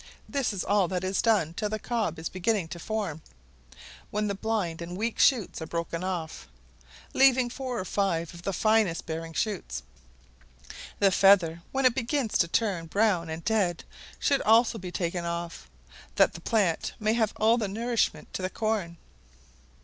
This is all that is done till the cob is beginning to form, when the blind and weak shoots are broken off, leaving four or five of the finest bearing shoots. The feather, when it begins to turn brown and dead, should also be taken off; that the plant may have all the nourishment to the corn.